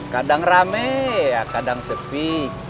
kadang rame kadang sepi